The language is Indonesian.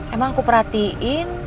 emang aku perhatiin